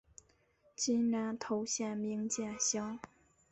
今南投县名间乡。